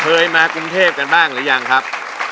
เคยมากรุงเทพกันบ้างหรือยังครับ